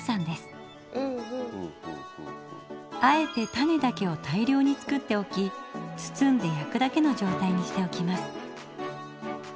あえてタネだけを大量に作っておき包んで焼くだけの状態にしておきます。